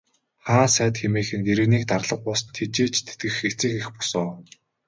Хаан сайд хэмээх нь иргэнийг дарлах бус, тэжээж тэтгэх эцэг эх бус уу.